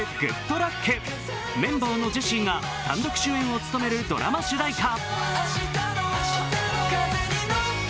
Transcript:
メンバーのジェシーが単独主演を務めるドラマ主題歌。